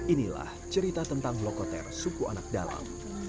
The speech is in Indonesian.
inilah cerita tentang lokoter suku anak dalam